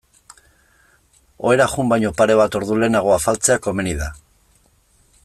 Ohera joan baino pare bat ordu lehenago afaltzea komeni da.